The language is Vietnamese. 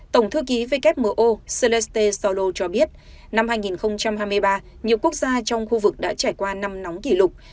tổng thư ký wmo seneste solo cho biết năm hai nghìn hai mươi ba nhiều quốc gia trong khu vực đã trải qua năm nóng kỷ lục